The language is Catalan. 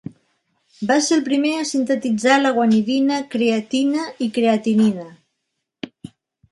Va ser el primer a sintetitzar la guanidina, creatina i creatinina.